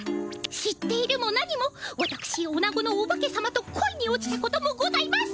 知っているもなにもわたくしオナゴのオバケ様と恋に落ちたこともございます！